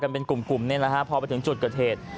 เป็นกลุ่มพอไปถึงจุดเกิดเหตุ